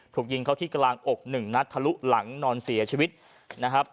ถูกยิงเข้าที่กลางอกหนึ่งนัดทะลุหลังนอนเสียชีวิตนะครับ